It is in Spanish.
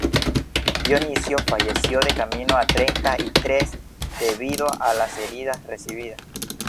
Dionisio falleció de camino a Treinta y Tres debido a las heridas recibidas.